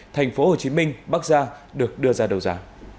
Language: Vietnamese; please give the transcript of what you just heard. thành phố hồ chí minh bắc giang được đưa ra đấu giá